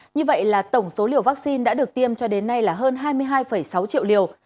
như vậy là tổng số liều vaccine đã được tiêm cho đến nay là hơn hai mươi hai sáu triệu liều